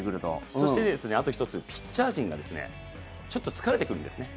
そして、あと１つピッチャー陣がちょっと疲れてくるんですね。